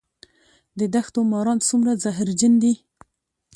د دښتو ماران څومره زهرجن دي؟